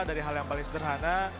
dari hal yang paling sederhana